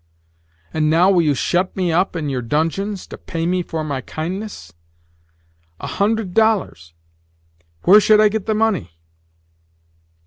And now, will you shut me up in your dungeons to pay me for my kindness? A hundred dollars! Where should I get the money?